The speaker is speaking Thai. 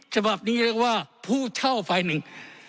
ฉบับนี้เรียกว่าผู้เช่าฝ่ายหนึ่ง